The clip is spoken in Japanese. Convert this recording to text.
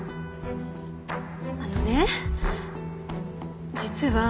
あのね実は。